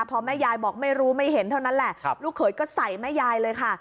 พอแม่ยายบอกไม่รู้ไม่เห็นเท่านั้นแหละลูกเขยก็ใส่แม่ยายเลยค่ะ